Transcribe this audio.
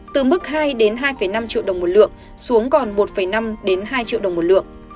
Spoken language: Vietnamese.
từ mức hai hai năm triệu đồng một lượng xuống còn một năm hai triệu đồng một lượng